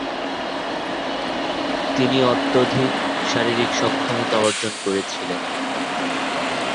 তিনি অত্যধিক শারীরিক সক্ষমতা অর্জন করেছিলেন।